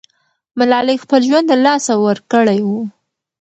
ملالۍ خپل ژوند له لاسه ورکړی وو.